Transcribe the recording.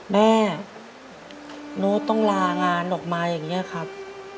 แม่โน้ตต้องลางานออกมาอย่างนี้ครับ